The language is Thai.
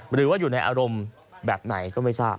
หรือว่าอยู่ในอารมณ์แบบไหนก็ไม่ทราบ